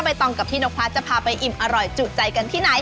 ตองกับพี่นกพระจะพาไปอิ่มอร่อยจุใจกันที่ไหน